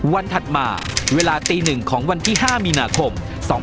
วันถัดมาเวลาติหนึ่งของวันที่๕มินาคม๒๕๕๙